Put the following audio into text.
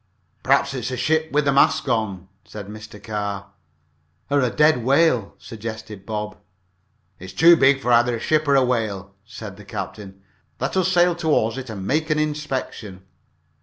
"Perhaps it's a ship with the masts gone," said Mr. Carr. "Or a dead whale," suggested Bob. "It's too big for either a ship or a whale," said the captain. "Let us sail toward it and make an inspection."